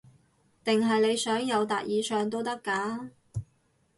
定係你想友達以上都得㗎